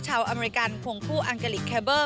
ชาวอเมริกันควงคู่อังกฤษแคลเบอร์